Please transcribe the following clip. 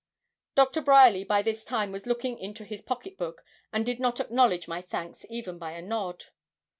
Doctor Bryerly by this time was looking into his pocket book, and did not acknowledge my thanks even by a nod.